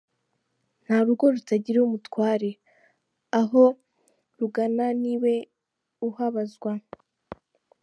Nta rugo rutagira umutware, aho rugana niwe uhabazwa.